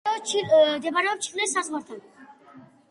მდებარეობს ჩილეს საზღვართან.